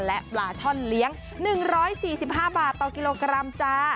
และปลาช่อนเลี้ยง๑๔๕บาทต่อกิโลกรัมจ้า